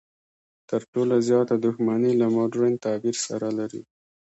تر ټولو زیاته دښمني له مډرن تعبیر سره لري.